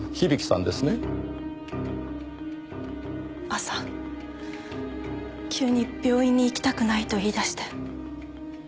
朝急に病院に行きたくないと言い出して。